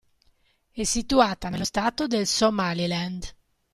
È situata nello stato del Somaliland.